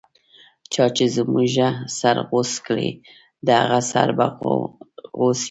چا چی زموږه سر غوڅ کړی، د هغه سر به غو څیږی